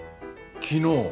昨日。